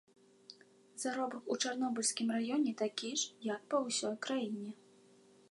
Заробак у чарнобыльскім раёне такі ж, як па ўсёй краіне.